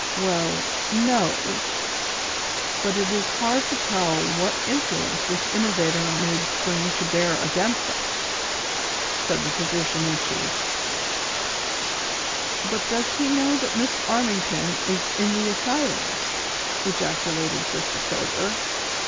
" Well, no ; but it is hard to tell what influence this innovator may bring to bear against us," said the physi cian in chief. "But does he know that Miss Armington is in the asylum?" ejaculated Sister Clover.